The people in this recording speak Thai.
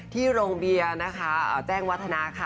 โรงเบียร์นะคะแจ้งวัฒนาค่ะ